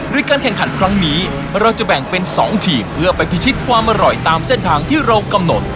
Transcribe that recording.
โดยการแข่งขันครั้งนี้เราจะแบ่งเป็น๒ทีมเพื่อไปพิชิตความอร่อยตามเส้นทางที่เรากำหนด